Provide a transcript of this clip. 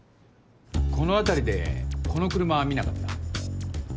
この辺りでこの車見なかった？